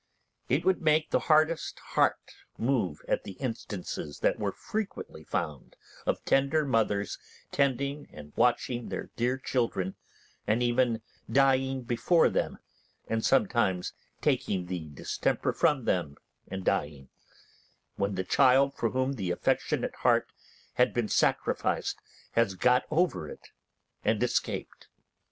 It would make the hardest heart move at the instances that were frequently found of tender mothers tending and watching with their dear children, and even dying before them, and sometimes taking the distemper from them and dying, when the child for whom the affectionate heart had been sacrificed has got over it and escaped.